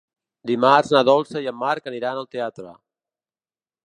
Dimarts na Dolça i en Marc aniran al teatre.